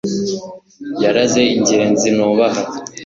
yaraze ingenzi nubaha